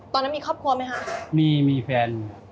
ตอนนั้นมีครอบครัวไหมคะมีมีแฟน